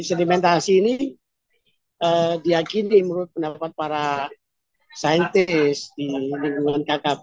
sedimentasi ini diakini menurut pendapat para saintis di lingkungan kkp